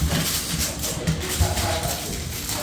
ওকে, please তার খেয়াল রাখবে।